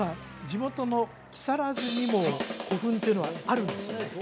地元の木更津にも古墳っていうのはあるんですよね？